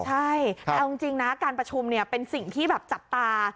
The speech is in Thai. ใช่แต่เอาจริงนะการประชุมเป็นสิ่งที่แบบจับตา